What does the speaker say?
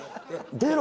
出ろ？